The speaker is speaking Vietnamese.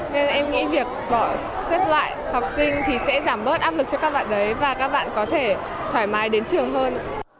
nên em nghĩ việc bỏ xếp loại học sinh thì sẽ giảm bớt áp lực cho các bạn đấy và các bạn có thể thoải mái đến trường hơn